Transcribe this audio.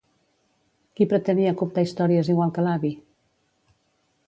Qui pretenia comptar històries igual que l'avi?